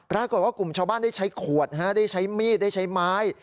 ปรากฏว่ากลุ่มชาวบ้านได้ใช้ขวดได้ใช้มีดได้ใช้ไม้